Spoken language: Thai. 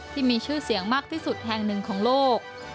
ที่มีชื่อเสียงมากที่สุดแห่งหนึ่งของโลก